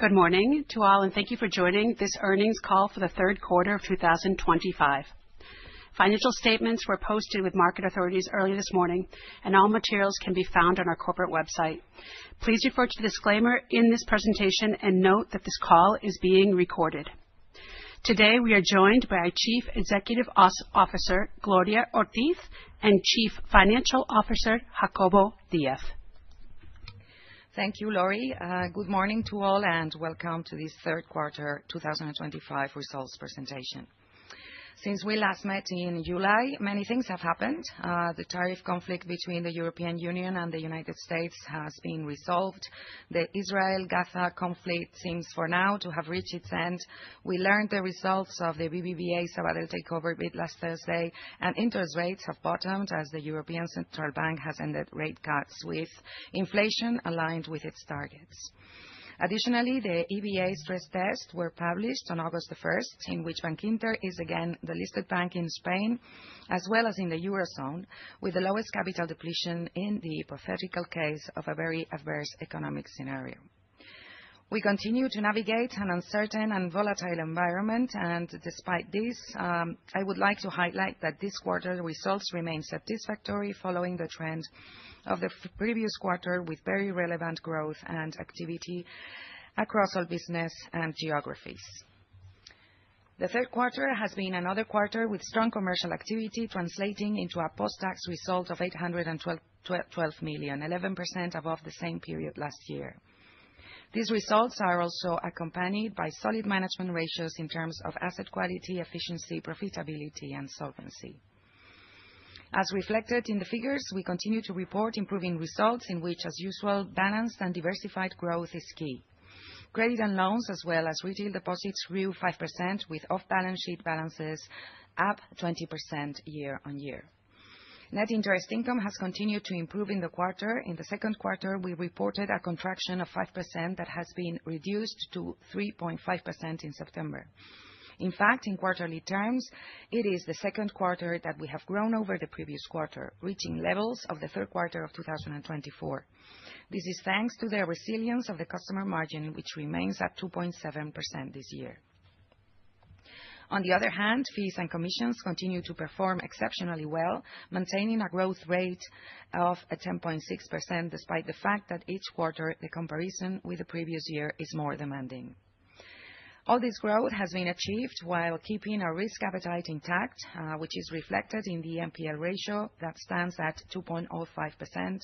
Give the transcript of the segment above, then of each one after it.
Good morning to all, and thank you for joining this Earnings Call for the Q3 of 2025. Financial statements were posted with market authorities early this morning, and all materials can be found on our corporate website. Please refer to the disclaimer in this presentation and note that this call is being recorded. Today, we are joined by Chief Executive Officer Gloria Ortiz and Chief Financial Officer Jacobo Díaz. Thank you, Laurie. Good morning to all, and welcome to this Q3 2025 results presentation. Since we last met in July, many things have happened. The tariff conflict between the European Union and the United States has been resolved. The Israel-Gaza conflict seems for now to have reached its end. We learned the results of the BBVA Sabadell takeover bid last Thursday, and interest rates have bottomed as the European Central Bank has ended rate cuts with inflation aligned with its targets. Additionally, the EBA stress tests were published on August 1st, in which Bankinter is again the listed bank in Spain, as well as in the Eurozone, with the lowest capital depletion in the hypothetical case of a very adverse economic scenario. We continue to navigate an uncertain and volatile environment, and despite this, I would like to highlight that this quarter's results remain satisfactory following the trend of the previous quarter, with very relevant growth and activity across all business and geographies. The Q3 has been another quarter with strong commercial activity translating into a post-tax result of 812 million, 11% above the same period last year. These results are also accompanied by solid management ratios in terms of asset quality, efficiency, profitability, and solvency. As reflected in the figures, we continue to report improving results in which, as usual, balanced and diversified growth is key. Credit and loans, as well as retail deposits, grew 5% with off-balance sheet balances up 20% year-on-year. Net interest income has continued to improve in the quarter. In the Q2, we reported a contraction of 5% that has been reduced to 3.5% in September. In fact, in quarterly terms, it is the Q2 that we have grown over the previous quarter, reaching levels of the Q3 of 2024. This is thanks to the resilience of the customer margin, which remains at 2.7% this year. On the other hand, fees and commissions continue to perform exceptionally well, maintaining a growth rate of 10.6% despite the fact that each quarter the comparison with the previous year is more demanding. All this growth has been achieved while keeping our risk appetite intact, which is reflected in the NPL ratio that stands at 2.05%,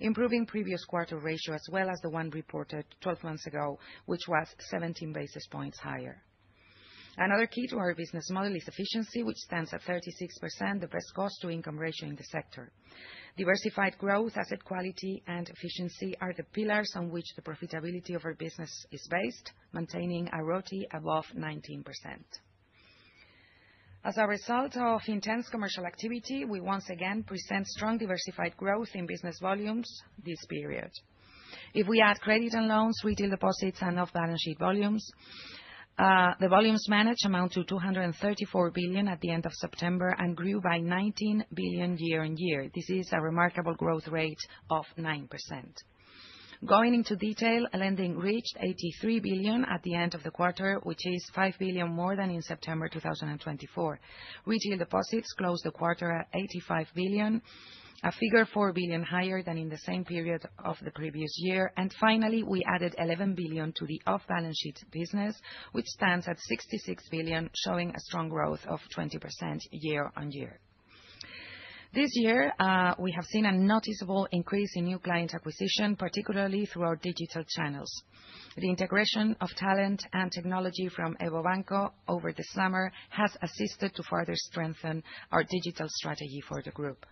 improving previous quarter ratio as well as the one reported 12 months ago, which was 17 basis points higher. Another key to our business model is efficiency, which stands at 36%, the best cost-to-income ratio in the sector. Diversified growth, asset quality, and efficiency are the pillars on which the profitability of our business is based, maintaining a ROE above 19%. As a result of intense commercial activity, we once again present strong diversified growth in business volumes this period. If we add credit and loans, retail deposits, and off-balance sheet volumes, the volumes managed amount to 234 billion at the end of September and grew by 19 billion year-on-year. This is a remarkable growth rate of 9%. Going into detail, lending reached 83 billion at the end of the quarter, which is 5 billion more than in September 2024. Retail deposits closed the quarter at 85 billion, a figure 4 billion higher than in the same period of the previous year. Finally, we added 11 billion to the off-balance sheet business, which stands at 66 billion, showing a strong growth of 20% year-on-year. This year, we have seen a noticeable increase in new client acquisition, particularly through our digital channels. The integration of talent and technology from EVO Banco over this summer has assisted to further strengthen our digital strategy for the group.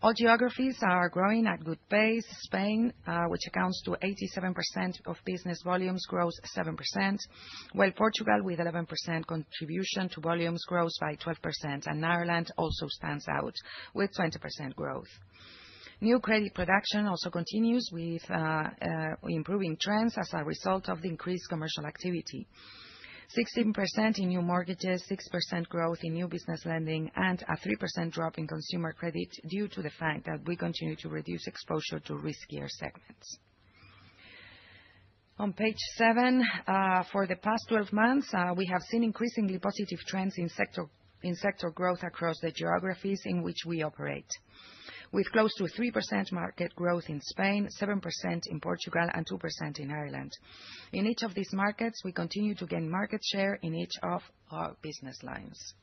All geographies are growing at good pace. Spain, which accounts for 87% of business volumes, grows 7%, while Portugal, with 11% contribution to volumes, grows by 12%, and Ireland also stands out with 20% growth. New credit production also continues, with improving trends as a result of the increased commercial activity: 16% in new mortgages, 6% growth in new business lending, and a 3% drop in consumer credit due to the fact that we continue to reduce exposure to riskier segments. On page seven, for the past 12 months, we have seen increasingly positive trends in sector growth across the geographies in which we operate, with close to 3% market growth in Spain, 7% in Portugal, and 2% in Ireland. In each of these markets, we continue to gain market share in each of our business lines.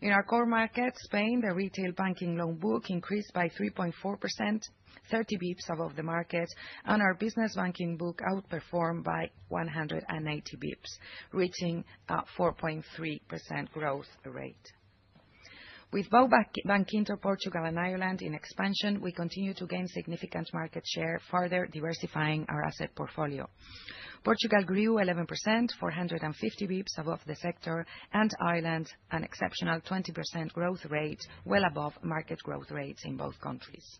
In our core market, Spain, the retail banking loan book increased by 3.4%, 30 basis points above the market, and our business banking book outperformed by 180 basis points, reaching a 4.3% growth rate. With both Bankinter Portugal and Ireland in expansion, we continue to gain significant market share, further diversifying our asset portfolio. Portugal grew 11%, 450 basis points above the sector, and Ireland an exceptional 20% growth rate, well above market growth rates in both countries.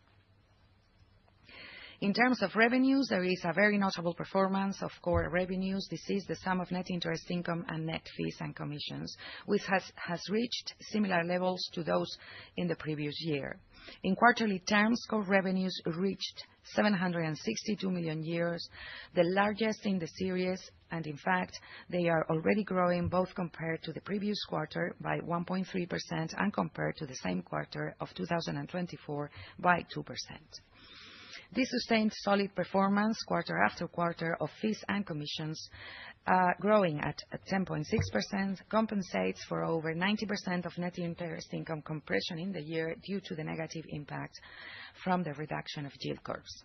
In terms of revenues, there is a very notable performance of core revenues. This is the sum of net interest income and net fees and commissions, which has reached similar levels to those in the previous year. In quarterly terms, core revenues reached 762 million euros, the largest in the series, and in fact, they are already growing both compared to the previous quarter by 1.3% and compared to the same quarter of 2024 by 2%. This sustained solid performance quarter after quarter of fees and commissions, growing at 10.6%, compensates for over 90% of net interest income compression in the year due to the negative impact from the reduction of yield curves.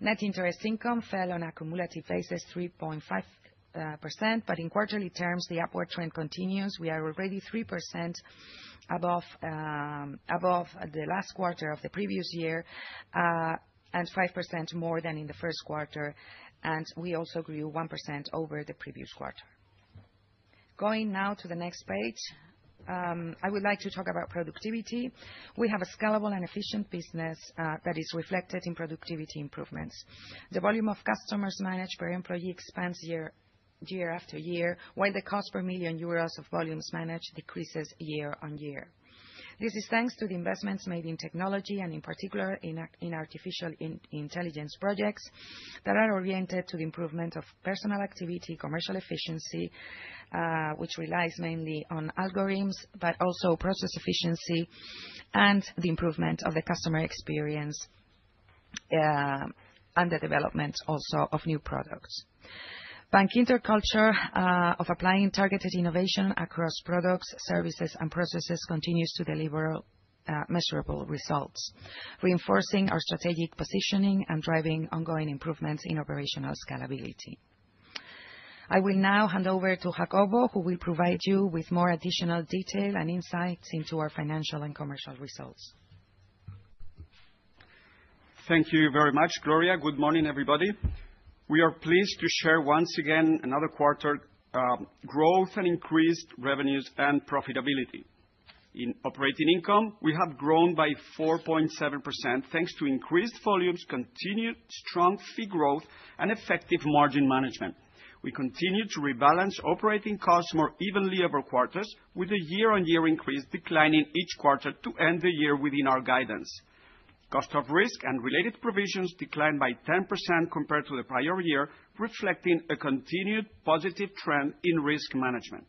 Net interest income fell on a cumulative basis 3.5%, but in quarterly terms, the upward trend continues. We are already 3% above the last quarter of the previous year and 5% more than in the Q1, and we also grew 1% over the previous quarter. Going now to the next page, I would like to talk about productivity. We have a scalable and efficient business that is reflected in productivity improvements. The volume of customers managed per employee expands year after year, while the cost per million euros of volumes managed decreases year-on-year. This is thanks to the investments made in technology and, in particular, in artificial intelligence projects that are oriented to the improvement of personal activity, commercial efficiency, which relies mainly on algorithms, but also process efficiency and the improvement of the customer experience and the development also of new products. Bankinter's culture of applying targeted innovation across products, services, and processes continues to deliver measurable results, reinforcing our strategic positioning and driving ongoing improvements in operational scalability. I will now hand over to Jacobo, who will provide you with more additional detail and insights into our financial and commercial results. Thank you very much, Gloria. Good morning, everybody. We are pleased to share once again another quarter growth and increased revenues and profitability. In operating income, we have grown by 4.7% thanks to increased volumes, continued strong fee growth, and effective margin management. We continue to rebalance operating costs more evenly over quarters, with the year-on-year increase declining each quarter to end the year within our guidance. Cost of risk and related provisions declined by 10% compared to the prior year, reflecting a continued positive trend in risk management.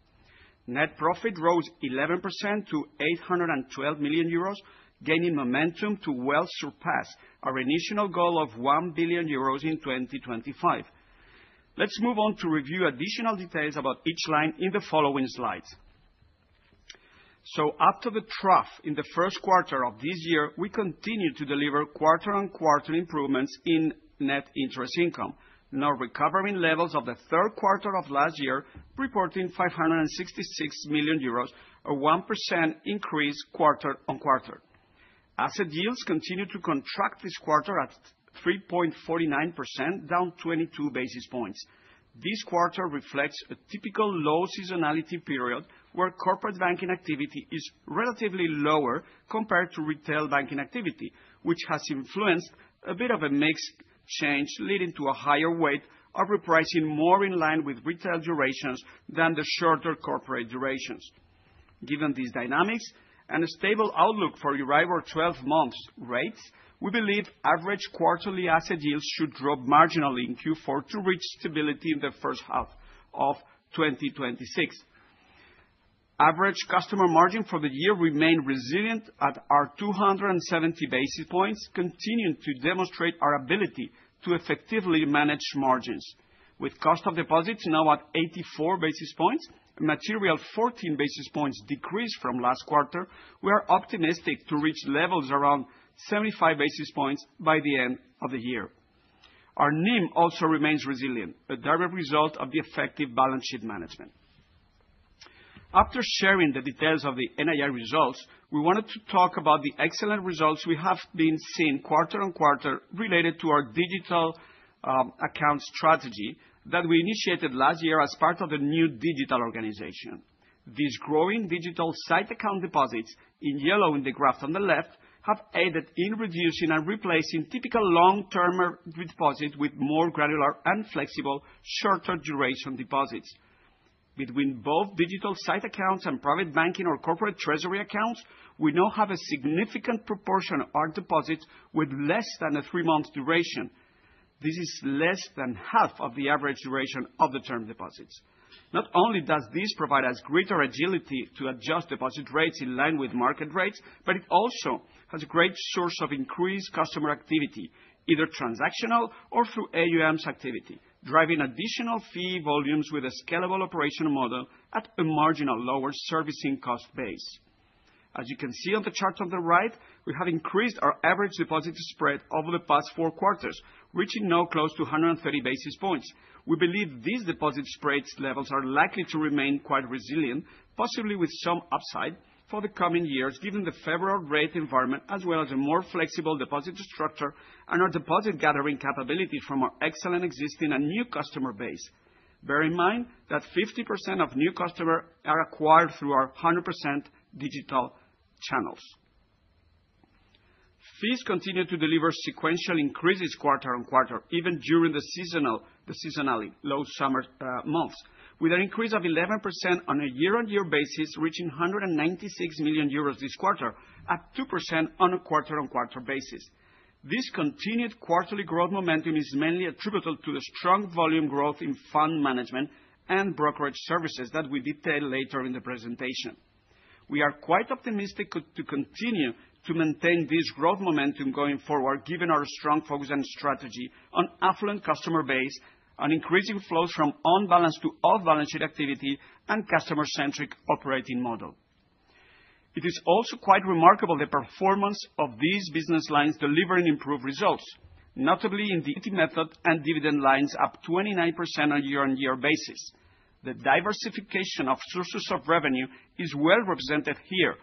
Net profit rose 11% to 812 million euros, gaining momentum to well surpass our initial goal of 1 billion euros in 2025. Let's move on to review additional details about each line in the following slides. So, after the trough in the Q1 of this year, we continue to deliver quarter-on-quarter improvements in net interest income, now recovering levels of the Q3 of last year, reporting 566 million euros, a 1% increase quarter-on-quarter. Asset yields continue to contract this quarter at 3.49%, down 22 basis points. This quarter reflects a typical low seasonality period where corporate banking activity is relatively lower compared to retail banking activity, which has influenced a bit of a mixed change, leading to a higher weight of repricing more in line with retail durations than the shorter corporate durations. Given these dynamics and a stable outlook for Euribor 12-month rates, we believe average quarterly asset yields should drop marginally in Q4 to reach stability in the first half of 2026. Average customer margin for the year remained resilient at our 270 basis points, continuing to demonstrate our ability to effectively manage margins. With cost of deposits now at 84 basis points and materially 14 basis points decreased from last quarter, we are optimistic to reach levels around 75 basis points by the end of the year. Our NIM also remains resilient, a direct result of the effective balance sheet management. After sharing the details of the NII results, we wanted to talk about the excellent results we have been seeing quarter-on-quarter related to our digital sight account strategy that we initiated last year as part of the new digital organization. These growing digital sight account deposits, in yellow in the graph on the left, have aided in reducing and replacing typical long-term deposits with more granular and flexible shorter duration deposits. Between both digital sight accounts and private banking or corporate treasury accounts, we now have a significant proportion of our deposits with less than a three-month duration. This is less than half of the average duration of the term deposits. Not only does this provide us greater agility to adjust deposit rates in line with market rates, but it also has a great source of increased customer activity, either transactional or through AUMs activity, driving additional fee volumes with a scalable operation model at a marginally lower servicing cost base. As you can see on the chart on the right, we have increased our average deposit spread over the past four quarters, reaching now close to 130 basis points. We believe these deposit spread levels are likely to remain quite resilient, possibly with some upside for the coming years given the favorable rate environment, as well as a more flexible deposit structure and our deposit gathering capability from our excellent existing and new customer base. Bear in mind that 50% of new customers are acquired through our 100% digital channels. Fees continue to deliver sequential increases quarter-on-quarter, even during the seasonally low summer months, with an increase of 11% on a year-on-year basis, reaching 196 million euros this quarter, up 2% on a quarter-on-quarter basis. This continued quarterly growth momentum is mainly attributable to the strong volume growth in fund management and brokerage services that we detail later in the presentation. We are quite optimistic to continue to maintain this growth momentum going forward, given our strong focus and strategy on affluent customer base, on increasing flows from on-balance to off-balance sheet activity, and customer-centric operating model. It is also quite remarkable the performance of these business lines delivering improved results, notably in the equity method and dividend lines, up 29% on a year-on-year basis. The diversification of sources of revenue is well represented here,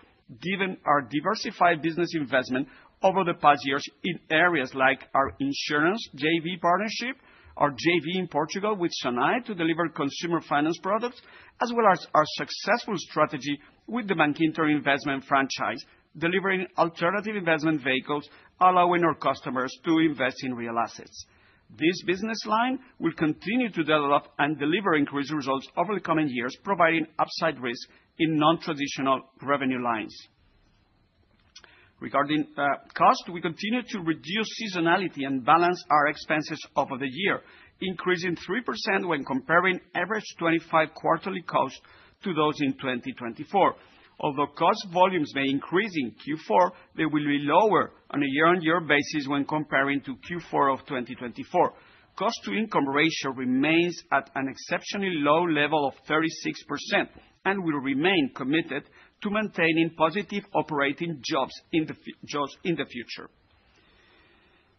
given our diversified business investment over the past years in areas like our insurance JV partnership, our JV in Portugal with Sonae to deliver consumer finance products, as well as our successful strategy with the Bankinter Investment franchise, delivering alternative investment vehicles, allowing our customers to invest in real assets. This business line will continue to develop and deliver increased results over the coming years, providing upside risk in non-traditional revenue lines. Regarding costs, we continue to reduce seasonality and balance our expenses over the year, increasing 3% when comparing average 2025 quarterly costs to those in 2024. Although cost volumes may increase in Q4, they will be lower on a year-on-year basis when comparing to Q4 of 2024. Cost-to-income ratio remains at an exceptionally low level of 36% and will remain committed to maintaining positive operating jaws in the future.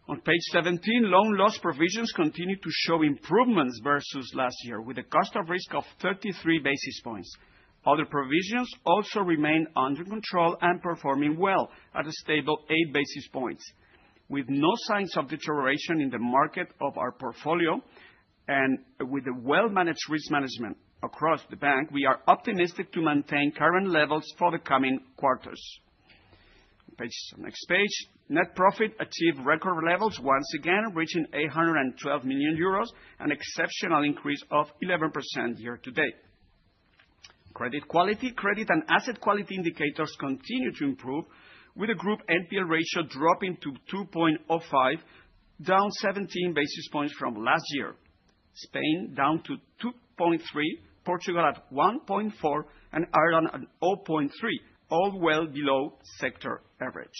On page 17, loan loss provisions continue to show improvements versus last year, with a cost of risk of 33 basis points. Other provisions also remain under control and performing well at a stable 8 basis points. With no signs of deterioration in the makeup of our portfolio and with well-managed risk management across the bank, we are optimistic to maintain current levels for the coming quarters. Next page, net profit achieved record levels once again, reaching 812 million euros, an exceptional increase of 11% year to date. Credit quality, credit and asset quality indicators continue to improve, with the group NPL ratio dropping to 2.05, down 17 basis points from last year. Spain down to 2.3, Portugal at 1.4, and Ireland at 0.3, all well below sector average.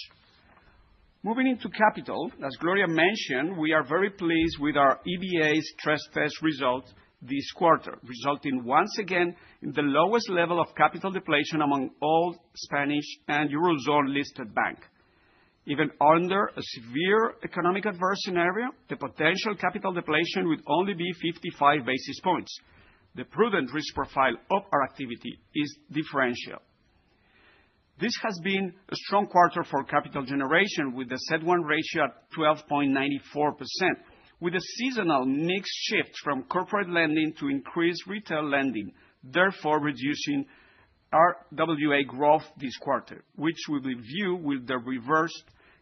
Moving into capital, as Gloria mentioned, we are very pleased with our EBA's stress test result this quarter, resulting once again in the lowest level of capital depletion among all Spanish and Eurozone listed banks. Even under a severe economic adverse scenario, the potential capital depletion would only be 55 basis points. The prudent risk profile of our activity is differential. This has been a strong quarter for capital generation, with the CET1 ratio at 12.94%, with a seasonal mix shift from corporate lending to increased retail lending, therefore reducing our RWA growth this quarter, which we will view with the reverse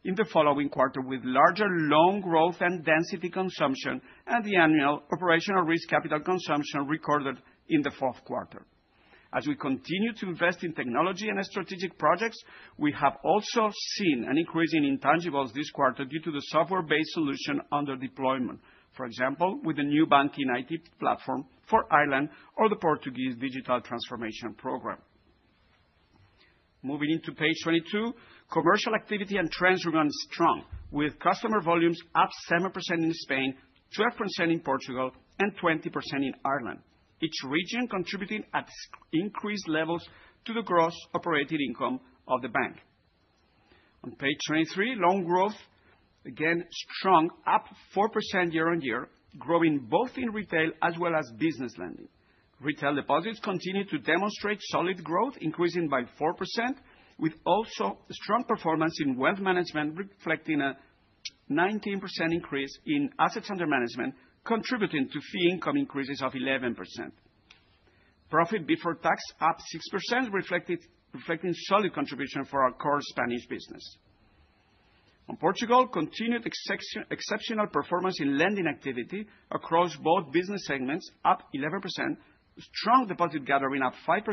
in the following quarter, with larger loan growth and deposit consumption and the annual operational risk capital consumption recorded in the Q4. As we continue to invest in technology and strategic projects, we have also seen an increase in intangibles this quarter due to the software-based solution under deployment, for example, with the new Bankinter platform for Ireland or the Portuguese digital transformation program. Moving into page 22, commercial activity and trends remain strong, with customer volumes up seven% in Spain, 12% in Portugal, and 20% in Ireland, each region contributing at increased levels to the gross operating income of the bank. On page 23, loan growth, again strong, up 4% year-on-year, growing both in retail as well as business lending. Retail deposits continue to demonstrate solid growth, increasing by 4%, with also strong performance in wealth management, reflecting a 19% increase in assets under management, contributing to fee income increases of 11%. Profit before tax up 6%, reflecting solid contribution for our core Spanish business. On Portugal, continued exceptional performance in lending activity across both business segments, up 11%, strong deposit gathering up 5%,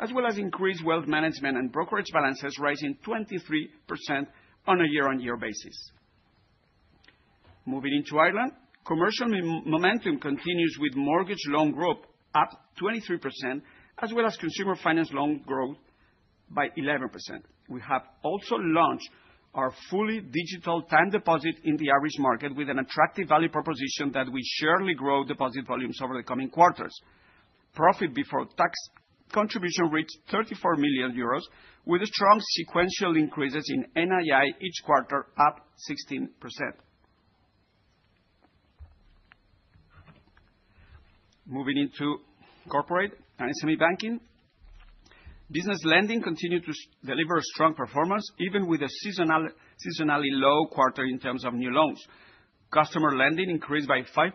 as well as increased wealth management and brokerage balances rising 23% on a year-on-year basis. Moving into Ireland, commercial momentum continues with mortgage loan growth up 23%, as well as consumer finance loan growth by 11%. We have also launched our fully digital time deposit in the Irish market with an attractive value proposition that will surely grow deposit volumes over the coming quarters. Profit before tax contribution reached 34 million euros, with strong sequential increases in NII each quarter, up 16%. Moving into corporate and SME banking, business lending continues to deliver strong performance, even with a seasonally low quarter in terms of new loans. Customer lending increased by 5%,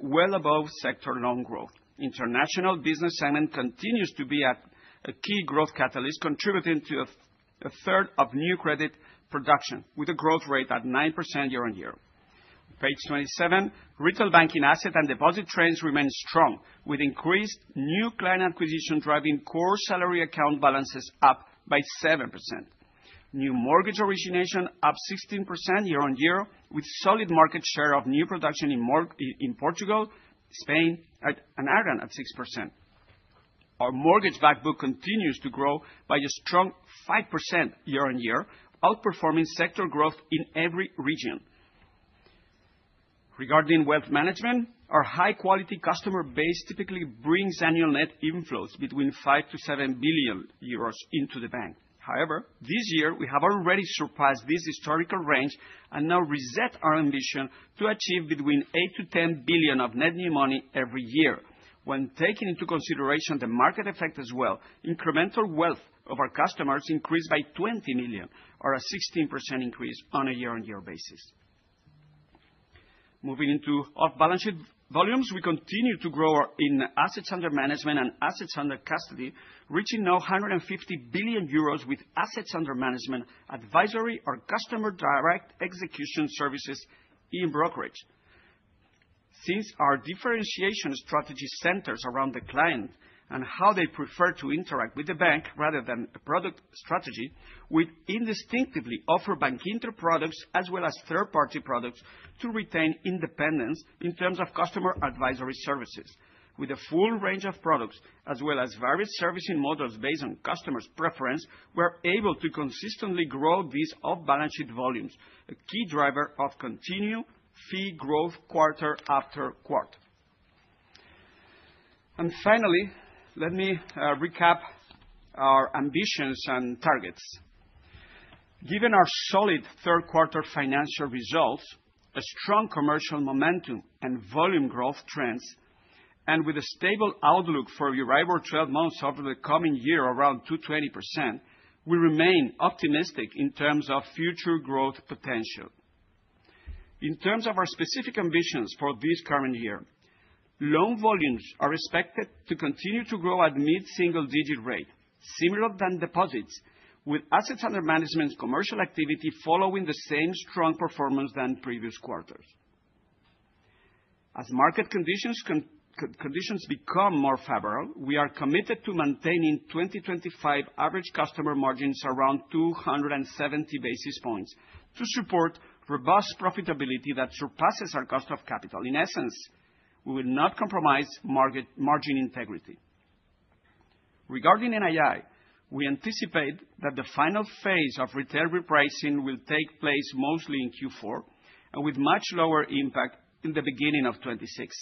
well above sector loan growth. International business segment continues to be a key growth catalyst, contributing to a third of new credit production, with a growth rate at 9% year-on-year. Page 27, retail banking asset and deposit trends remain strong, with increased new client acquisition driving core salary account balances up by 7%. New mortgage origination up 16% year-on-year, with solid market share of new production in Portugal, Spain, and Ireland at 6%. Our mortgage backbook continues to grow by a strong 5% year-on-year, outperforming sector growth in every region. Regarding wealth management, our high-quality customer base typically brings annual net inflows between 5 billion to 7 billion euros into the bank. However, this year, we have already surpassed this historical range and now reset our ambition to achieve between 8 billion to 10 billion of net new money every year. When taking into consideration the market effect as well, incremental wealth of our customers increased by 20 million, or a 16% increase on a year-on-year basis. Moving into off-balance sheet volumes, we continue to grow in assets under management and assets under custody, reaching now 150 billion euros with assets under management, advisory or customer direct execution services in brokerage. Since our differentiation strategy centers around the client and how they prefer to interact with the bank rather than a product strategy, we indiscriminately offer Bankinter products as well as third-party products to retain independence in terms of customer advisory services. With a full range of products, as well as various servicing models based on customer's preference, we are able to consistently grow these off-balance sheet volumes, a key driver of continued fee growth quarter after quarter, and finally, let me recap our ambitions and targets. Given our solid Q3 financial results, a strong commercial momentum, and volume growth trends, and with a stable outlook for Euribor 12 months over the coming year around 2.20%, we remain optimistic in terms of future growth potential. In terms of our specific ambitions for this current year, loan volumes are expected to continue to grow at mid-single-digit rate, similar than deposits, with assets under management commercial activity following the same strong performance than previous quarters. As market conditions become more favorable, we are committed to maintaining 2025 average customer margins around 270 basis points to support robust profitability that surpasses our cost of capital. In essence, we will not compromise margin integrity. Regarding NII, we anticipate that the final phase of retail repricing will take place mostly in Q4, and with much lower impact in the beginning of 2026.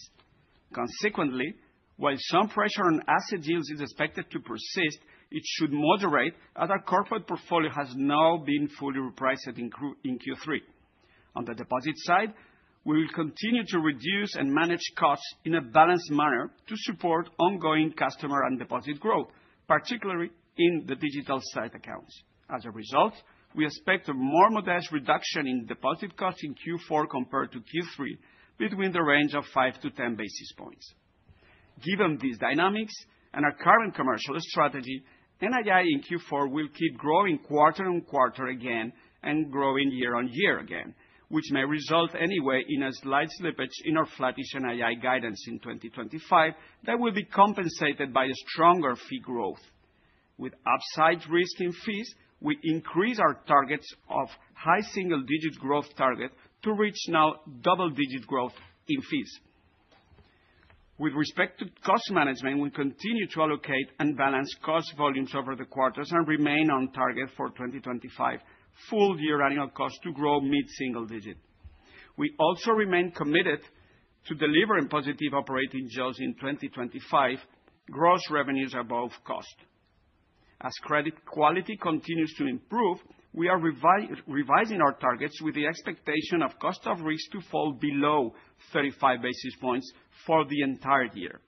Consequently, while some pressure on asset yields is expected to persist, it should moderate as our corporate portfolio has now been fully repriced in Q3. On the deposit side, we will continue to reduce and manage costs in a balanced manner to support ongoing customer and deposit growth, particularly in the digital sight accounts. As a result, we expect a more modest reduction in deposit costs in Q4 compared to Q3, between the range of 5-10 basis points. Given these dynamics and our current commercial strategy, NII in Q4 will keep growing quarter-on-quarter again and growing year-on-year again, which may result anyway in a slight slippage in our flattish NII guidance in 2025 that will be compensated by a stronger fee growth. With upside risk in fees, we increase our targets of high single-digit growth target to reach now double-digit growth in fees. With respect to cost management, we continue to allocate and balance cost volumes over the quarters and remain on target for 2025 full year annual costs to grow mid-single digit. We also remain committed to delivering positive operating yields in 2025, gross revenues above cost. As credit quality continues to improve, we are revising our targets with the expectation of cost of risk to fall below 35 basis points for the entire year.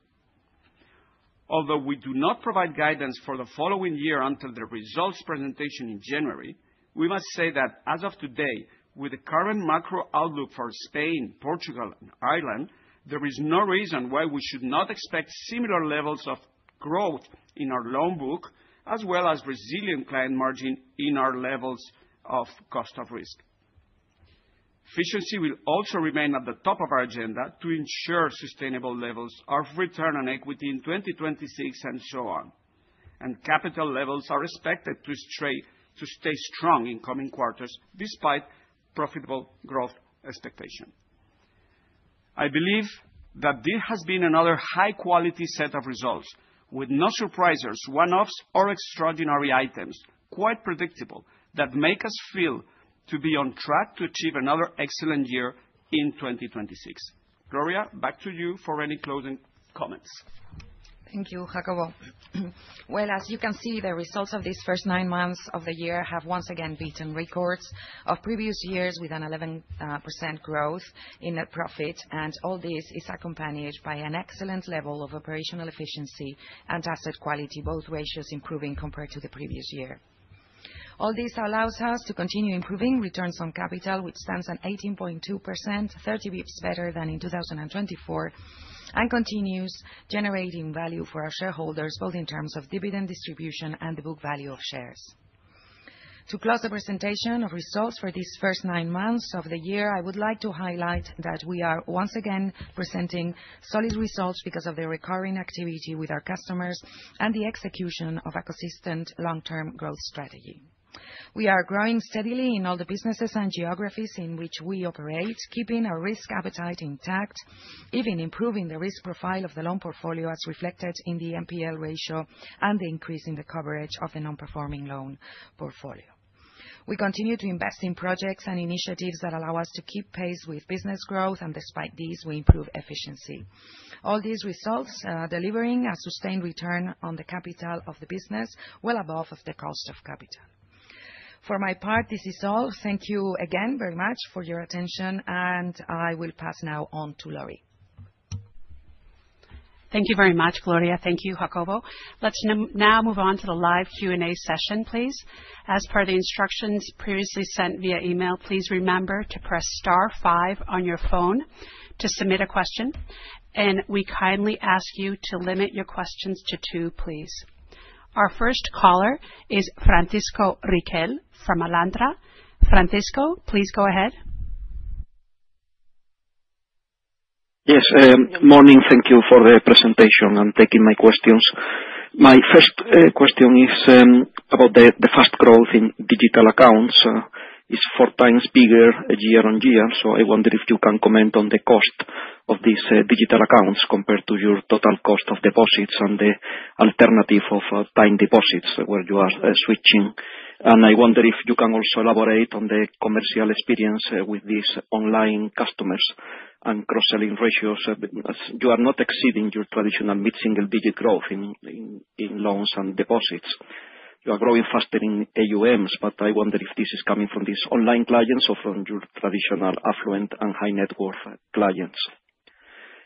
Although we do not provide guidance for the following year until the results presentation in January, we must say that as of today, with the current macro outlook for Spain, Portugal, and Ireland, there is no reason why we should not expect similar levels of growth in our loan book, as well as resilient client margin in our levels of cost of risk. Efficiency will also remain at the top of our agenda to ensure sustainable levels of return on equity in 2026 and so on, and capital levels are expected to stay strong in coming quarters despite profitable growth expectation. I believe that this has been another high-quality set of results, with no surprises, one-offs or extraordinary items, quite predictable, that make us feel to be on track to achieve another excellent year in 2026. Gloria, back to you for any closing comments. Thank you, Jacobo. Well, as you can see, the results of these first nine months of the year have once again beaten records of previous years with an 11% growth in net profit, and all this is accompanied by an excellent level of operational efficiency and asset quality, both ratios improving compared to the previous year. All this allows us to continue improving returns on capital, which stands at 18.2%, 30 basis points better than in 2024, and continues generating value for our shareholders, both in terms of dividend distribution and the book value of shares. To close the presentation of results for these first nine months of the year, I would like to highlight that we are once again presenting solid results because of the recurring activity with our customers and the execution of a consistent long-term growth strategy. We are growing steadily in all the businesses and geographies in which we operate, keeping our risk appetite intact, even improving the risk profile of the loan portfolio as reflected in the NPL ratio and the increase in the coverage of the non-performing loan portfolio. We continue to invest in projects and initiatives that allow us to keep pace with business growth, and despite these, we improve efficiency. All these results are delivering a sustained return on the capital of the business, well above the cost of capital. For my part, this is all. Thank you again very much for your attention, and I will pass now on to Laurie. Thank you very much, Gloria. Thank you, Jacobo. Let's now move on to the live Q&A session, please. As per the instructions previously sent via email, please remember to press star five on your phone to submit a question, and we kindly ask you to limit your questions to two, please. Our first caller is Francisco Riquel from Alantra. Francisco, please go ahead. Yes, morning. Thank you for the presentation and taking my questions. My first question is about the fast growth in digital accounts. It's four times bigger year-on-year, so I wonder if you can comment on the cost of these digital accounts compared to your total cost of deposits and the alternative of time deposits where you are switching. And I wonder if you can also elaborate on the commercial experience with these online customers and cross-selling ratios. You are not exceeding your traditional mid-single digit growth in loans and deposits. You are growing faster in AUMs, but I wonder if this is coming from these online clients or from your traditional affluent and high-net-worth clients.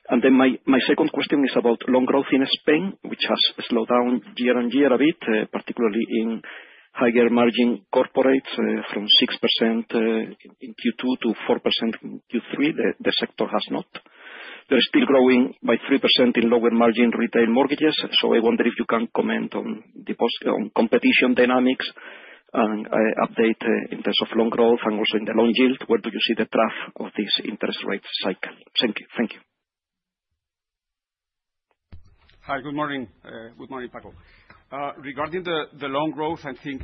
And then my second question is about loan growth in Spain, which has slowed down year-on-year a bit, particularly in higher margin corporates from 6% in Q2 to 4% in Q3. The sector has not. They're still growing by 3% in lower margin retail mortgages, so I wonder if you can comment on competition dynamics and update in terms of loan growth and also in the loan yield. Where do you see the top of this interest rate cycle? Thank you. Thank you. Hi, good morning. Good morning, Francisco. Regarding the loan growth, I think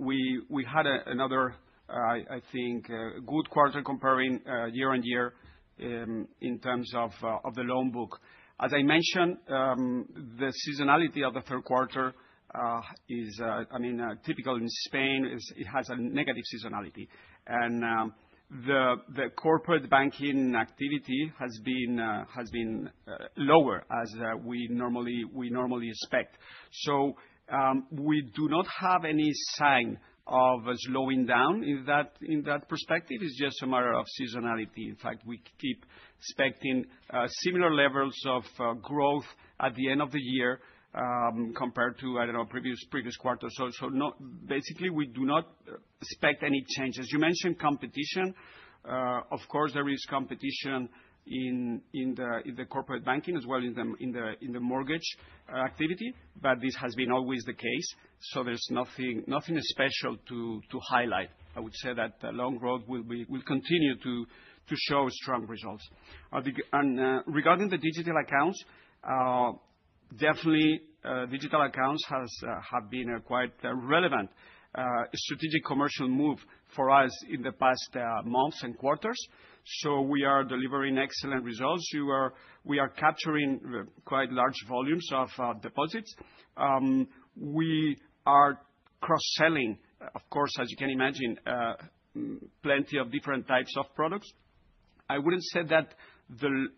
we had another, I think, good quarter comparing year-on-year in terms of the loan book. As I mentioned, the seasonality of the Q3 is, I mean, typical in Spain. It has a negative seasonality, and the corporate banking activity has been lower as we normally expect. So we do not have any sign of slowing down in that perspective. It's just a matter of seasonality. In fact, we keep expecting similar levels of growth at the end of the year compared to, I don't know, previous quarters. So basically, we do not expect any change. As you mentioned, competition, of course, there is competition in the corporate banking as well as in the mortgage activity, but this has been always the case. So there's nothing special to highlight. I would say that the loan growth will continue to show strong results. And regarding the digital accounts, definitely digital accounts have been a quite relevant strategic commercial move for us in the past months and quarters. So we are delivering excellent results. We are capturing quite large volumes of deposits. We are cross-selling, of course, as you can imagine, plenty of different types of products. I wouldn't say that the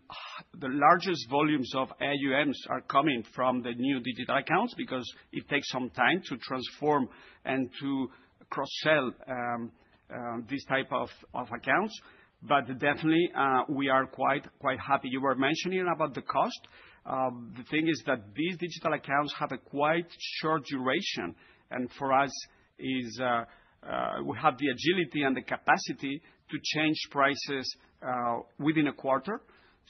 largest volumes of AUMs are coming from the new digital accounts because it takes some time to transform and to cross-sell these types of accounts. But definitely, we are quite happy. You were mentioning about the cost. The thing is that these digital accounts have a quite short duration, and for us, we have the agility and the capacity to change prices within a quarter.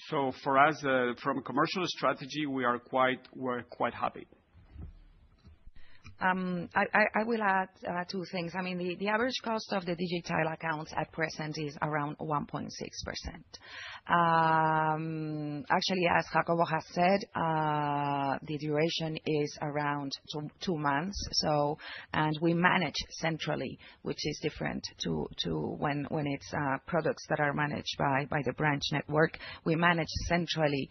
So for us, from a commercial strategy, we are quite happy. I will add two things. I mean, the average cost of the digital accounts at present is around 1.6%. Actually, as Jacobo has said, the duration is around two months, and we manage centrally, which is different to when it's products that are managed by the branch network. We manage centrally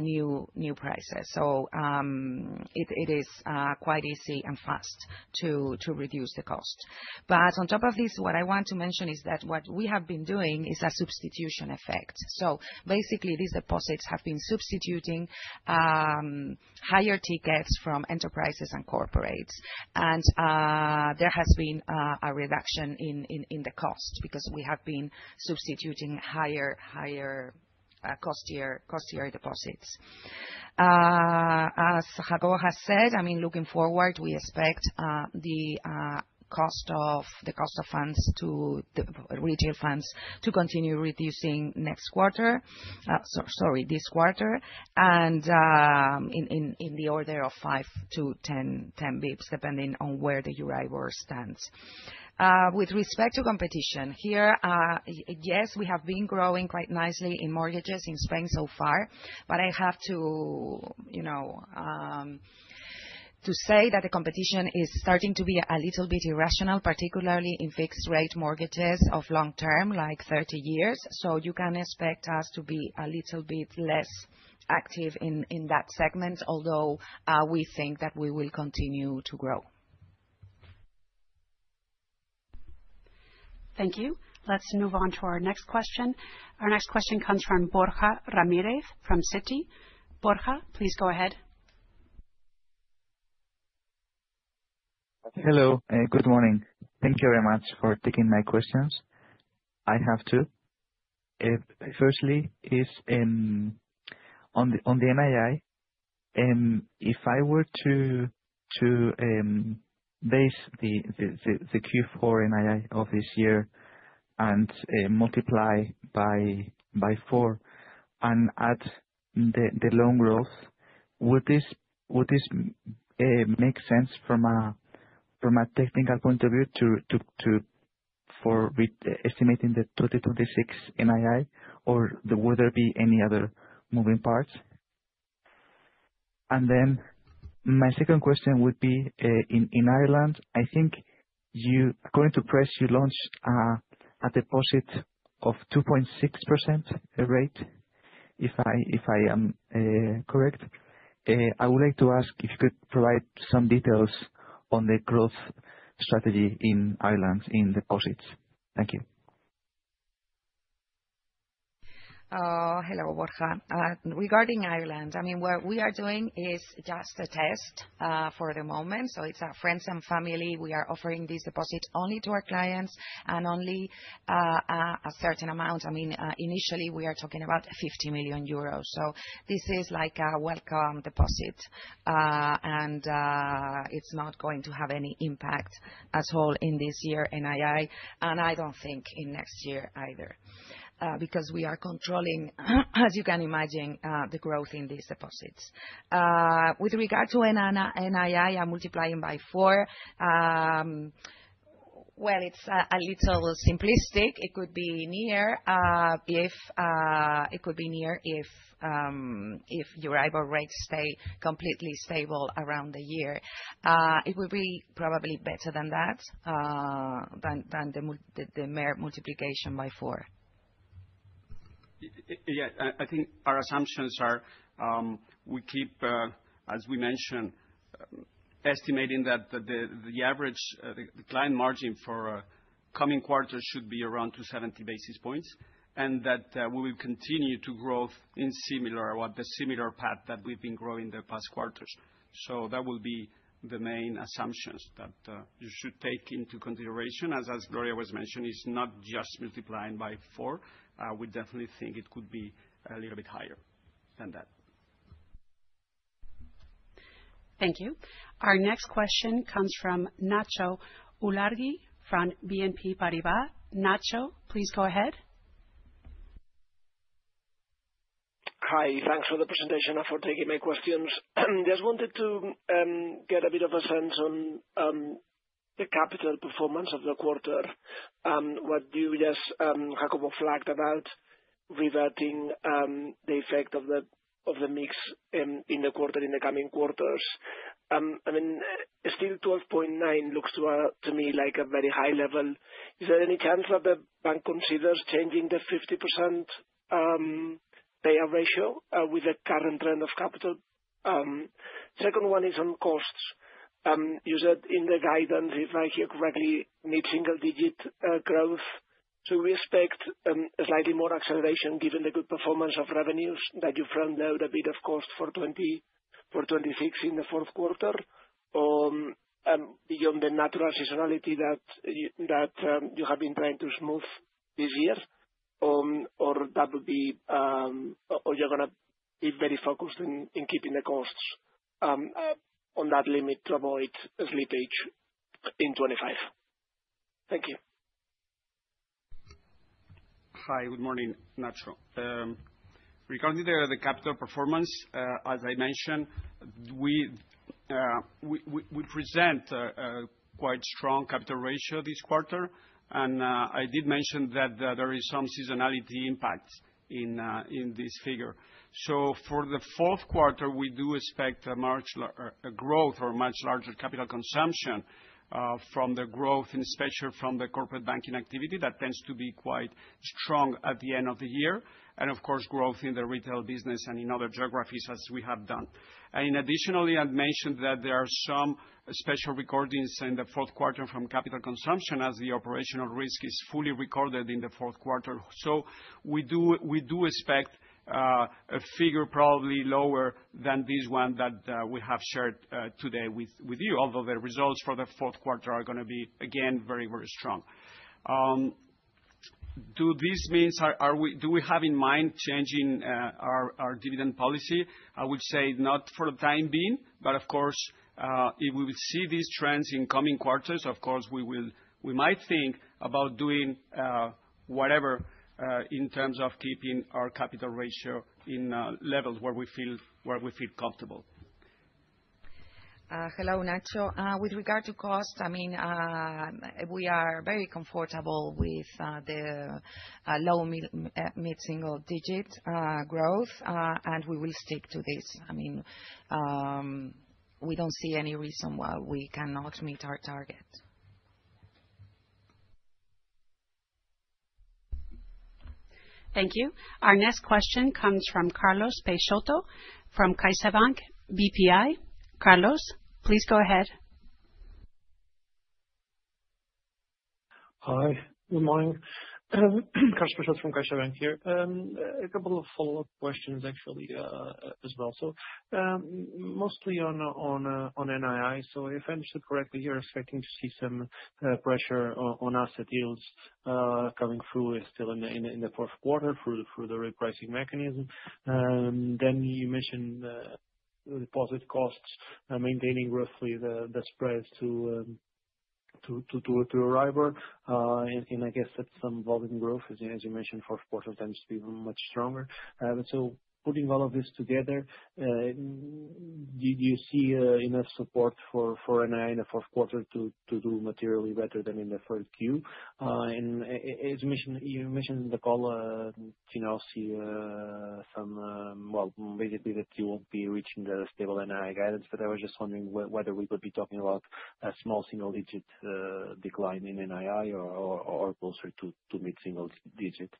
new prices, so it is quite easy and fast to reduce the cost, but on top of this, what I want to mention is that what we have been doing is a substitution effect, so basically, these deposits have been substituting higher tickets from enterprises and corporates, and there has been a reduction in the cost because we have been substituting higher cost-tier deposits. As Jacobo has said, I mean, looking forward, we expect the cost of funds to retail funds to continue reducing next quarter, sorry, this quarter, and in the order of 5-10 basis points, depending on where the Euribor stands. With respect to competition here, yes, we have been growing quite nicely in mortgages in Spain so far, but I have to say that the competition is starting to be a little bit irrational, particularly in fixed-rate mortgages of long term, like 30 years. So you can expect us to be a little bit less active in that segment, although we think that we will continue to grow. Thank you. Let's move on to our next question. Our next question comes from Borja Ramirez from Citi. Borja, please go ahead. Hello, good morning. Thank you very much for taking my questions. I have two. Firstly, on the NII, if I were to base the Q4 NII of this year and multiply by four and add the loan growth, would this make sense from a technical point of view for estimating the 2026 NII, or would there be any other moving parts? And then my second question would be, in Ireland, I think according to press, you launched a deposit of 2.6% rate, if I am correct. I would like to ask if you could provide some details on the growth strategy in Ireland in deposits. Thank you. Hello, Borja. Regarding Ireland, I mean, what we are doing is just a test for the moment. So it's friends and family. We are offering these deposits only to our clients and only a certain amount. I mean, initially, we are talking about 50 million euros. So this is like a welcome deposit, and it's not going to have any impact at all in this year NII, and I don't think in next year either because we are controlling, as you can imagine, the growth in these deposits. With regard to NII, I'm multiplying by four. Well, it's a little simplistic. It could be near if Euribor rates stay completely stable around the year. It would be probably better than that than the mere multiplication by four. Yeah, I think our assumptions are we keep, as we mentioned, estimating that the average client margin for coming quarters should be around 270 basis points and that we will continue to grow in the similar path that we've been growing the past quarters. So that will be the main assumptions that you should take into consideration. As Gloria was mentioning, it's not just multiplying by four. We definitely think it could be a little bit higher than that. Thank you. Our next question comes from Ignacio Ulargui from BNP Paribas. Ignacio, please go ahead. Hi, thanks for the presentation. I'm for taking my questions. Just wanted to get a bit of a sense on the capital performance of the quarter. What you just, Jacobo, flagged about reverting the effect of the mix in the quarter in the coming quarters. I mean, still 12.9 looks to me like a very high level. Is there any chance that the bank considers changing the 50% payout ratio with the current trend of capital? Second one is on costs. You said in the guidance, if I hear correctly, mid-single digit growth. So we expect slightly more acceleration given the good performance of revenues that you front-loaded a bit of cost for 2026 in the Q4 beyond the natural seasonality that you have been trying to smooth this year, or that would be, you're going to be very focused in keeping the costs on that limit to avoid slippage in 2025? Thank you. Hi, good morning, Ignacio. Regarding the capital performance, as I mentioned, we present a quite strong capital ratio this quarter, and I did mention that there is some seasonality impact in this figure. So for the Q4, we do expect a growth or much larger capital consumption from the growth, especially in the corporate banking activity that tends to be quite strong at the end of the year, and of course, growth in the retail business and in other geographies as we have done. And additionally, I mentioned that there are some special recordings in the Q4 from capital consumption as the operational risk is fully recorded in the Q4. So we do expect a figure probably lower than this one that we have shared today with you, although the results for the Q4 are going to be, again, very, very strong. Does this mean we have in mind changing our dividend policy? I would say not for the time being, but of course, if we see these trends in coming quarters, of course, we might think about doing whatever in terms of keeping our capital ratio in levels where we feel comfortable. Hello, Nacho. With regard to cost, I mean, we are very comfortable with the low mid-single digit growth, and we will stick to this. I mean, we don't see any reason why we cannot meet our target. Thank you. Our next question comes from Carlos Peixoto from CaixaBank BPI. Carlos, please go ahead. Hi, good morning. Carlos Peixoto from CaixaBank here. A couple of follow-up questions, actually, as well. So mostly on NII. So if I understood correctly, you're expecting to see some pressure on asset yields coming through still in the Q4 through the repricing mechanism. Then you mentioned deposit costs maintaining roughly the spreads to Euribor, and I guess that's some volume growth, as you mentioned, Q4 tends to be much stronger. So putting all of this together, do you see enough support for NII in the Q4 to do materially better than in the third Q? And as you mentioned in the call, you see some, well, basically that you won't be reaching the stable NII guidance, but I was just wondering whether we could be talking about a small single-digit decline in NII or closer to mid-single-digit.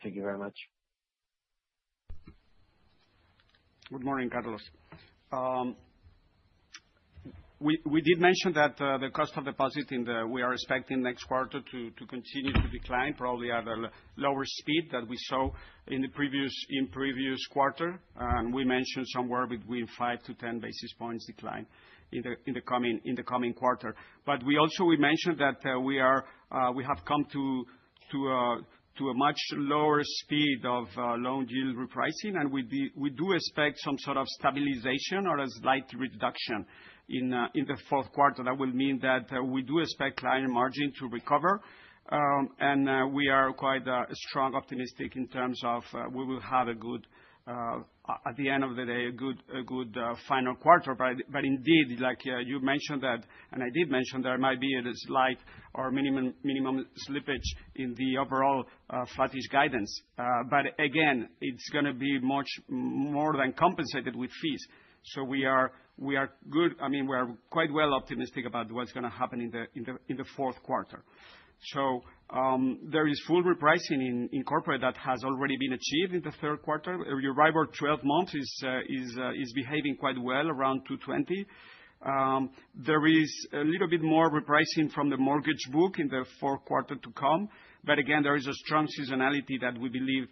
Thank you very much. Good morning, Carlos. We did mention that the cost of deposits and the way we are expecting next quarter to continue to decline, probably at a lower speed than we saw in the previous quarter. And we mentioned somewhere between 5-10 basis points decline in the coming quarter. But we also mentioned that we have come to a much lower speed of loan yield repricing, and we do expect some sort of stabilization or a slight reduction in the Q4. That will mean that we do expect client margin to recover, and we are quite strong optimistic in terms of we will have a good, at the end of the day, a good final quarter. But indeed, like you mentioned that, and I did mention that there might be a slight or minimum slippage in the overall flattish guidance. But again, it's going to be much more than compensated with fees. So we are good. I mean, we are quite well optimistic about what's going to happen in the Q4. So there is full repricing in corporate that has already been achieved in the Q3. Euribor 12 months is behaving quite well, around 2.20%. There is a little bit more repricing from the mortgage book in the Q4 to come. But again, there is a strong seasonality that we believe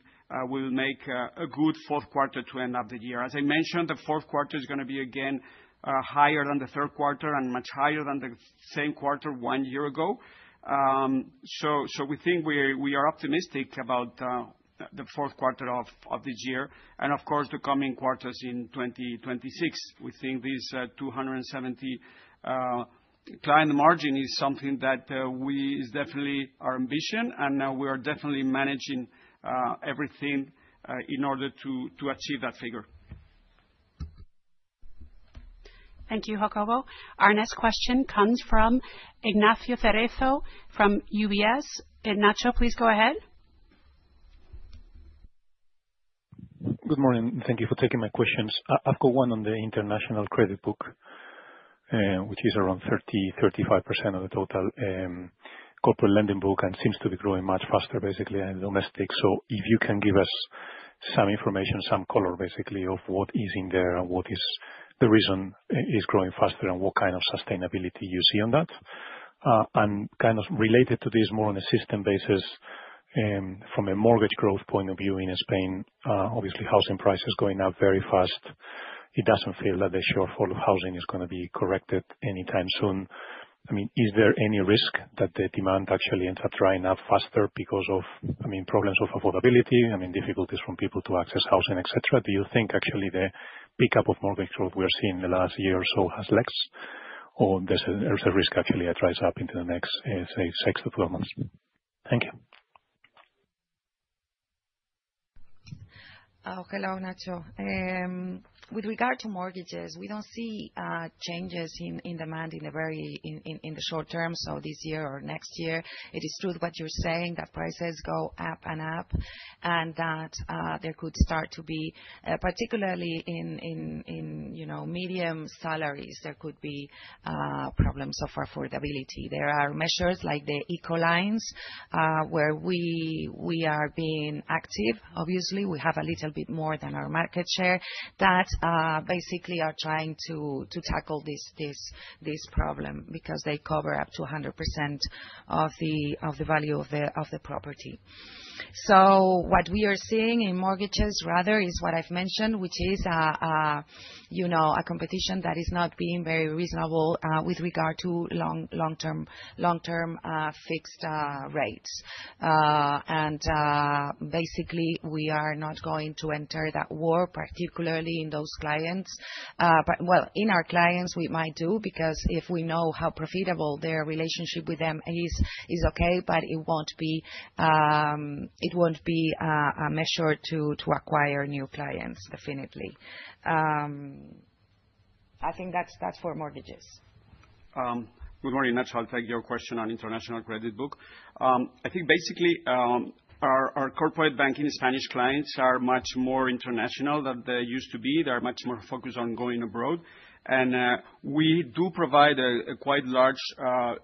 will make a good Q4 to end of the year. As I mentioned, the Q4 is going to be again higher than the Q3 and much higher than the same quarter one year ago. So we think we are optimistic about the Q4 of this year. And of course, the coming quarters in 2026, we think this 270 client margin is something that is definitely our ambition, and we are definitely managing everything in order to achieve that figure. Thank you, Jacobo. Our next question comes from Ignacio Cerezo from UBS. Ignacio, please go ahead. Good morning. Thank you for taking my questions. I've got one on the international credit book, which is around 30-35% of the total corporate lending book and seems to be growing much faster, basically, and domestic. So if you can give us some information, some color, basically, of what is in there and what is the reason it is growing faster and what kind of sustainability you see on that. And kind of related to this, more on a system basis, from a mortgage growth point of view in Spain, obviously, housing prices going up very fast. It doesn't feel that the shortfall of housing is going to be corrected anytime soon. I mean, is there any risk that the demand actually ends up drying up faster because of, I mean, problems of affordability, I mean, difficulties from people to access housing, etc.? Do you think actually the pickup of mortgage growth we are seeing in the last year or so has legs, or there's a risk actually that dries up into the next 6-12 months? Thank you. Hello, Ignacio. With regard to mortgages, we don't see changes in demand in the short term, so this year or next year. It is true what you're saying, that prices go up and up, and that there could start to be, particularly in medium salaries, there could be problems of affordability. There are measures like the ICO lines, where we are being active. Obviously, we have a little bit more than our market share that basically are trying to tackle this problem because they cover up to 100% of the value of the property. So what we are seeing in mortgages, rather, is what I've mentioned, which is a competition that is not being very reasonable with regard to long-term fixed rates. And basically, we are not going to enter that war, particularly in those clients. Well, in our clients, we might do because if we know how profitable their relationship with them is, it's okay, but it won't be a measure to acquire new clients, definitely. I think that's for mortgages. Good morning, Nacho. I'll take your question on international credit book. I think basically our corporate banking Spanish clients are much more international than they used to be. They're much more focused on going abroad. And we do provide a quite large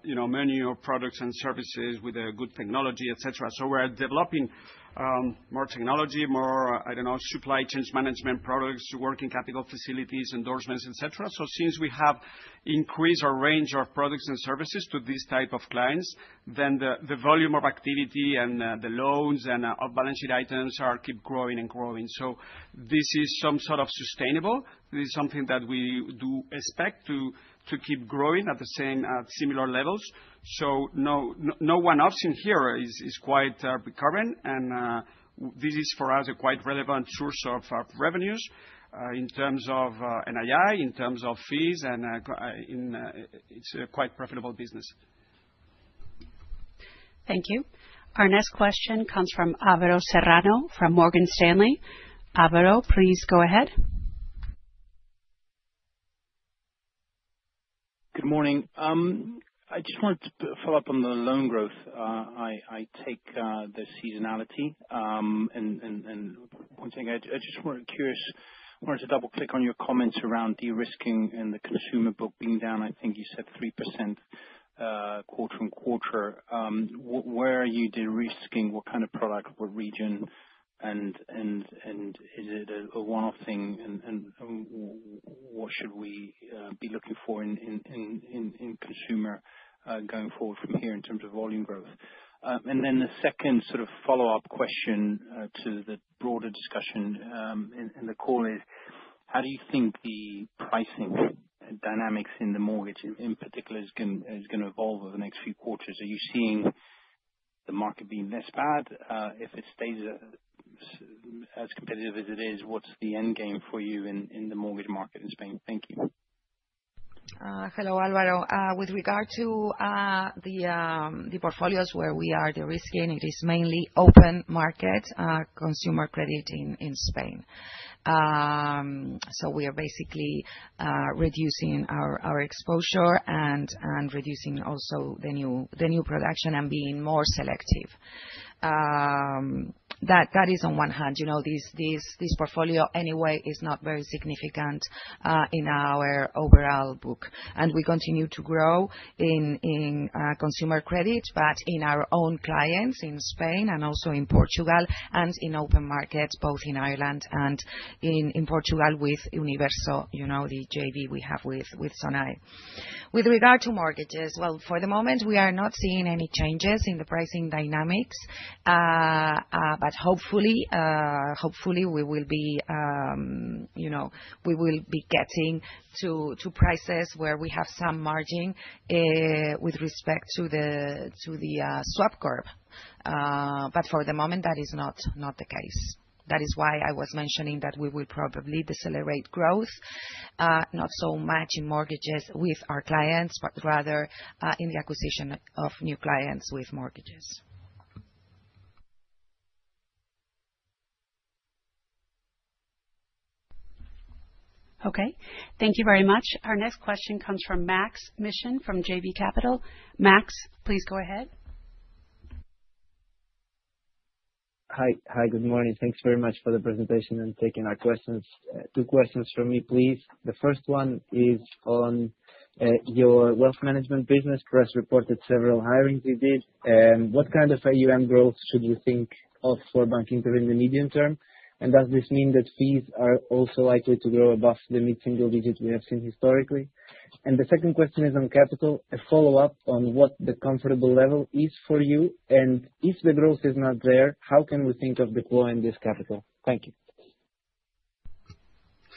menu of products and services with good technology, etc. So we're developing more technology, more, I don't know, supply chain management products, working capital facilities, endorsements, etc. So since we have increased our range of products and services to this type of clients, then the volume of activity and the loans and off-balance sheet items keep growing and growing. So this is some sort of sustainable. This is something that we do expect to keep growing at similar levels. So no one option here is quite recurrent, and this is, for us, a quite relevant source of revenues in terms of NII, in terms of fees, and it's a quite profitable business. Thank you. Our next question comes from Alvaro Serrano from Morgan Stanley. Alvaro, please go ahead. Good morning. I just wanted to follow up on the loan growth. I take the seasonality and one thing I just wanted to double-click on your comments around de-risking and the consumer book being down, I think you said 3% quarter-on-quarter. Where are you de-risking? What kind of product, what region, and is it a one-off thing, and what should we be looking for in consumer going forward from here in terms of volume growth? And then the second sort of follow-up question to the broader discussion in the call is, how do you think the pricing dynamics in the mortgage, in particular, is going to evolve over the next few quarters? Are you seeing the market being less bad? If it stays as competitive as it is, what's the end game for you in the mortgage market in Spain? Thank you. Hello, Alvaro. With regard to the portfolios where we are de-risking, it is mainly open market consumer credit in Spain. So we are basically reducing our exposure and reducing also the new production and being more selective. That is on one hand. This portfolio, anyway, is not very significant in our overall book. And we continue to grow in consumer credit, but in our own clients in Spain and also in Portugal and in open markets, both in Ireland and in Portugal with Universo, the JV we have with Sonae. With regard to mortgages, well, for the moment, we are not seeing any changes in the pricing dynamics, but hopefully we will be getting to prices where we have some margin with respect to the swap curve. But for the moment, that is not the case. That is why I was mentioning that we will probably decelerate growth, not so much in mortgages with our clients, but rather in the acquisition of new clients with mortgages. Okay. Thank you very much. Our next question comes from Maksym Mishyn from JB Capital Markets. Max, please go ahead. Hi. Hi. Good morning. Thanks very much for the presentation and taking our questions. Two questions from me, please. The first one is on your wealth management business. Press reported several hirings you did. What kind of AUM growth should you think of for banking during the medium term? And does this mean that fees are also likely to grow above the mid-single-digit we have seen historically? And the second question is on capital, a follow-up on what the comfortable level is for you. And if the growth is not there, how can we think of deploying this capital? Thank you.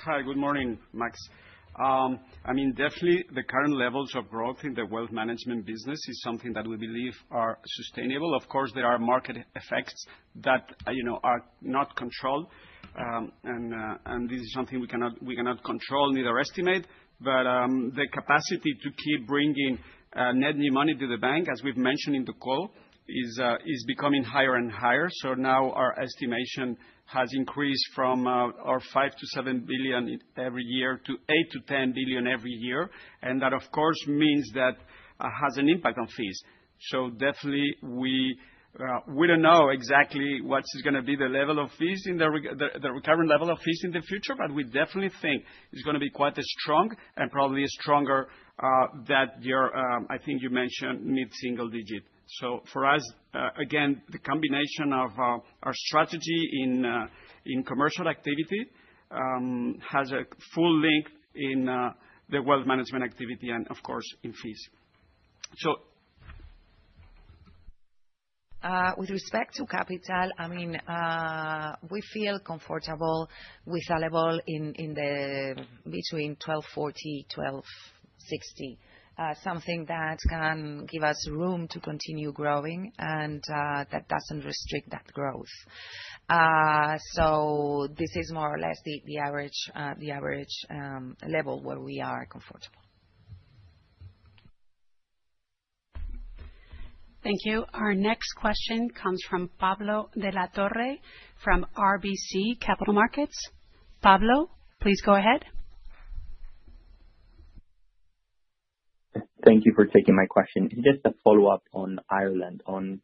Hi. Good morning, Max. I mean, definitely the current levels of growth in the wealth management business is something that we believe are sustainable. Of course, there are market effects that are not controlled, and this is something we cannot control nor estimate. But the capacity to keep bringing net new money to the bank, as we've mentioned in the call, is becoming higher and higher. So now our estimation has increased from 5-7 billion every year to 8-10 billion every year. And that, of course, means that it has an impact on fees. So definitely, we don't know exactly what is going to be the level of fees, the recurrent level of fees in the future, but we definitely think it's going to be quite strong and probably stronger than your, I think you mentioned, mid-single digit. So for us, again, the combination of our strategy in commercial activity has a full link in the wealth management activity and, of course, in fees. With respect to capital, I mean, we feel comfortable with. Level in between 1240-1260, something that can give us room to continue growing and that doesn't restrict that growth. So this is more or less the average level where we are comfortable. Thank you. Our next question comes from Pablo de la Torre from RBC Capital Markets. Pablo, please go ahead. Thank you for taking my question. Just a follow-up on Ireland, on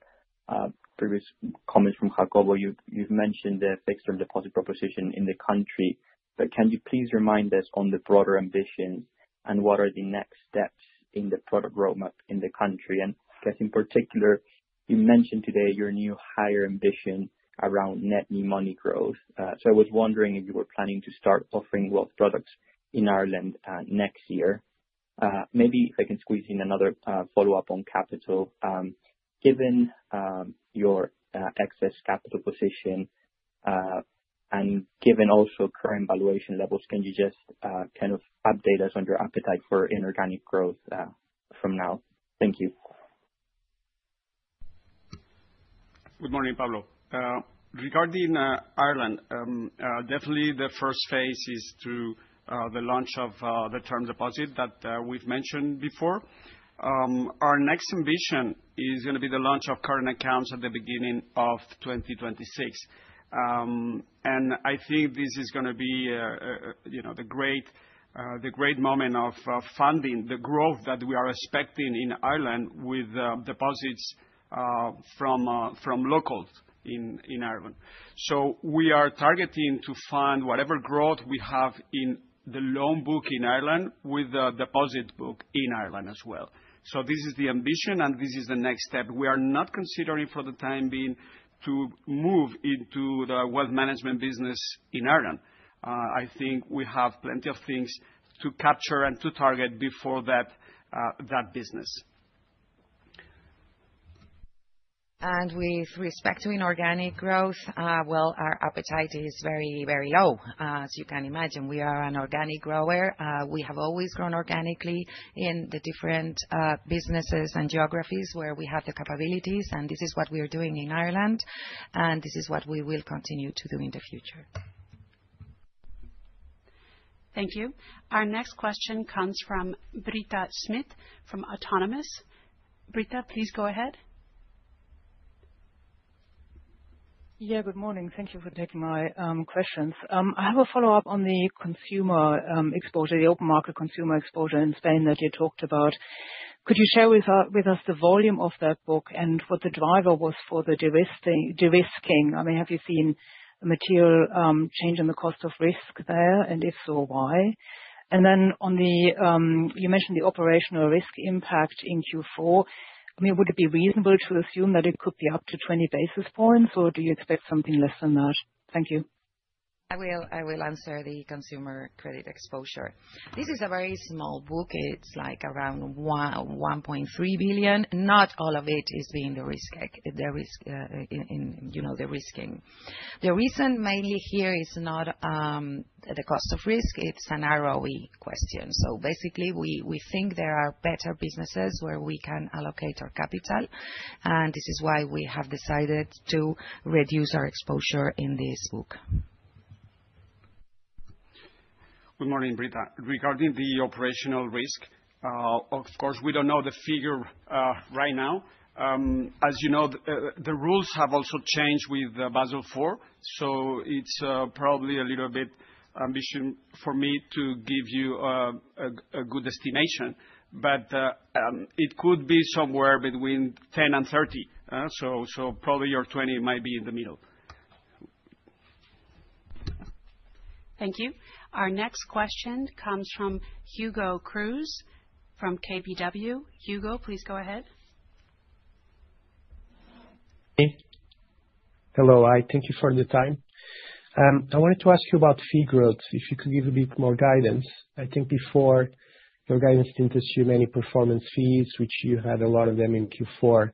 previous comments from Jacobo. You've mentioned the fixed and deposit proposition in the country, but can you please remind us on the broader ambitions and what are the next steps in the product roadmap in the country? And I guess in particular, you mentioned today your new higher ambition around net new money growth. So I was wondering if you were planning to start offering wealth products in Ireland next year. Maybe if I can squeeze in another follow-up on capital. Given your excess capital position and given also current valuation levels, can you just kind of update us on your appetite for inorganic growth from now? Thank you. Good morning, Pablo. Regarding Ireland, definitely the first phase is through the launch of the term deposit that we've mentioned before. Our next ambition is going to be the launch of current accounts at the beginning of 2026, and I think this is going to be the great moment of funding the growth that we are expecting in Ireland with deposits from locals in Ireland, so we are targeting to fund whatever growth we have in the loan book in Ireland with the deposit book in Ireland as well, so this is the ambition, and this is the next step. We are not considering for the time being to move into the wealth management business in Ireland.I think we have plenty of things to capture and to target before that business. And with respect to inorganic growth, well, our appetite is very, very low. As you can imagine, we are an organic grower. We have always grown organically in the different businesses and geographies where we have the capabilities, and this is what we are doing in Ireland, and this is what we will continue to do in the future. Thank you. Our next question comes from Britta Schmidt from Autonomous. Britta, please go ahead. Yeah, good morning. Thank you for taking my questions. I have a follow-up on the consumer exposure, the open market consumer exposure in Spain that you talked about. Could you share with us the volume of that book and what the driver was for the de-risking? I mean, have you seen a material change in the cost of risk there? And if so, why? And then on the, you mentioned the operational risk impact in Q4. I mean, would it be reasonable to assume that it could be up to 20 basis points, or do you expect something less than that? Thank you. I will answer the consumer credit exposure. This is a very small book. It's like around 1.3 billion. Not all of it is being de-risked, you know, de-risking. The reason mainly here is not the cost of risk. It's an ROE question. So basically, we think there are better businesses where we can allocate our capital, and this is why we have decided to reduce our exposure in this book. Good morning, Britta. Regarding the operational risk, of course, we don't know the figure right now. As you know, the rules have also changed with Basel IV, so it's probably a little bit ambitious for me to give you a good estimation, but it could be somewhere between 10 and 30. So probably your 20 might be in the middle. Thank you. Our next question comes from Hugo Cruz from KBW. Hugo, please go ahead. Hello. Hi. Thank you for your time. I wanted to ask you about fee growth, if you could give a bit more guidance. I think before your guidance didn't assume any performance fees, which you had a lot of them in Q4.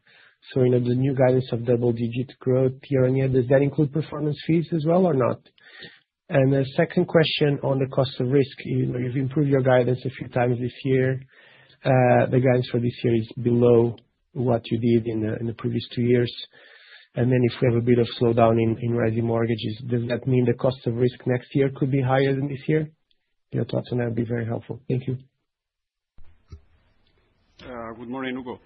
So the new guidance of double-digit growth here and here, does that include performance fees as well or not? And the second question on the cost of risk, you've improved your guidance a few times this year. The guidance for this year is below what you did in the previous two years. And then if we have a bit of slowdown in rising mortgages, does that mean the cost of risk next year could be higher than this year? Your thoughts on that would be very helpful. Thank you. Good morning, Hugo.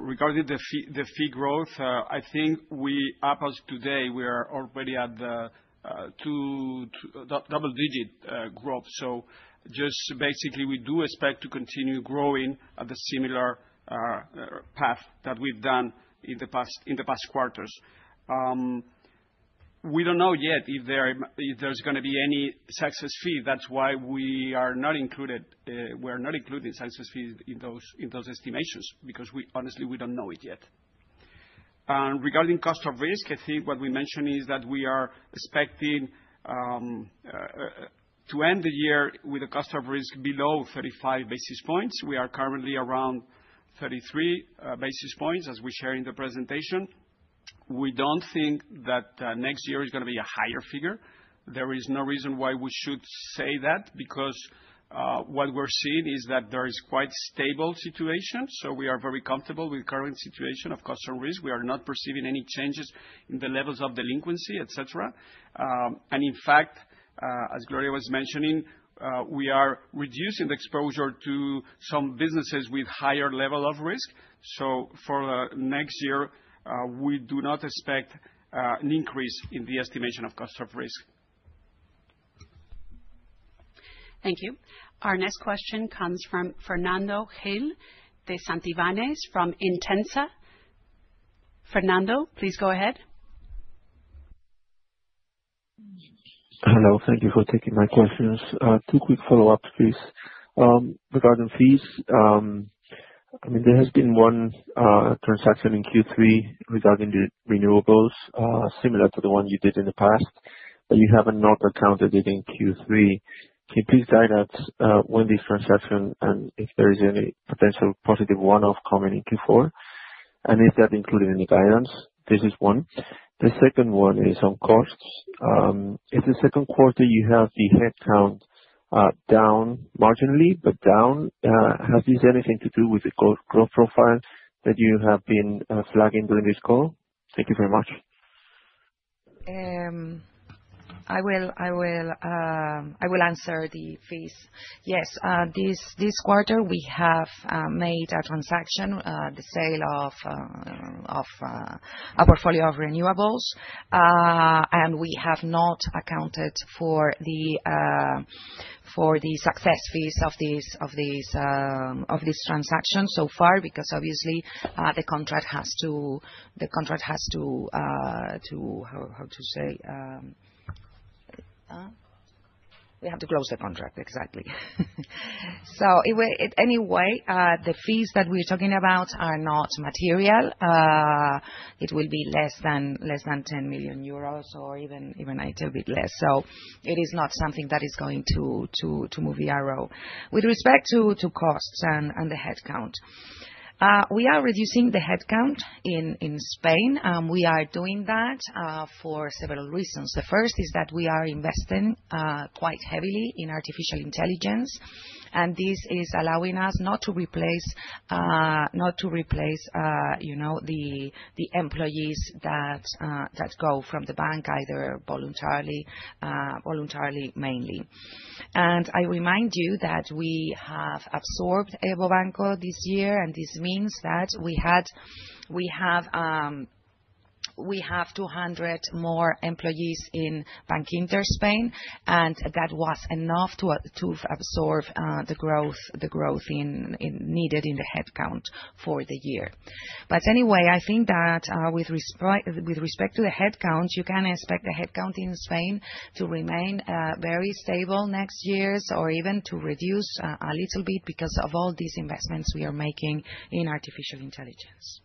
Regarding the fee growth, I think we're up as of today, we are already at the double-digit growth. So just basically, we do expect to continue growing at the similar path that we've done in the past quarters. We don't know yet if there's going to be any success fee. That's why we are not included, we are not including success fees in those estimations because honestly, we don't know it yet. Regarding cost of risk, I think what we mentioned is that we are expecting to end the year with a cost of risk below 35 basis points. We are currently around 33 basis points, as we share in the presentation. We don't think that next year is going to be a higher figure. There is no reason why we should say that because what we're seeing is that there is quite stable situation, so we are very comfortable with the current situation of cost of risk. We are not perceiving any changes in the levels of delinquency, etc., and in fact, as Gloria was mentioning, we are reducing the exposure to some businesses with higher level of risk, so for next year, we do not expect an increase in the estimation of cost of risk. Thank you. Our next question comes from Fernando Gil de Santivañes from Intesa. Fernando, please go ahead. Hello. Thank you for taking my questions. Two quick follow-ups, please. Regarding fees, I mean, there has been one transaction in Q3 regarding the renewables, similar to the one you did in the past, but you have not accounted for it in Q3. Can you please guide us when this transaction and if there is any potential positive one-off coming in Q4? And is that included in the guidance? This is one. The second one is on costs. In the Q2, you have the headcount down marginally, but down. Has this anything to do with the growth profile that you have been flagging during this call? Thank you very much. I will answer the fees. Yes. This quarter, we have made a transaction, the sale of a portfolio of renewables, and we have not accounted for the success fees of this transaction so far because obviously, the contract has to, how to say, we have to close the contract, exactly, so anyway, the fees that we're talking about are not material. It will be less than 10 million euros or even a little bit less, so it is not something that is going to move the arrow. With respect to costs and the headcount, we are reducing the headcount in Spain, and we are doing that for several reasons. The first is that we are investing quite heavily in artificial intelligence, and this is allowing us not to replace the employees that go from the bank, either voluntarily, mainly. I remind you that we have absorbed EVO Banco this year, and this means that we have 200 more employees in Bankinter Spain, and that was enough to absorb the growth needed in the headcount for the year. But anyway, I think that with respect to the headcount, you can expect the headcount in Spain to remain very stable next year or even to reduce a little bit because of all these investments we are making in artificial intelligence.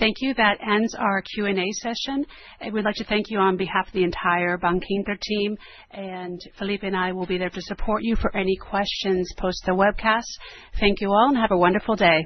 Thank you. That ends our Q&A session. We'd like to thank you on behalf of the entire Bankinter team, and Felipe and I will be there to support you. For any questions, post the webcast. Thank you all, and have a wonderful day.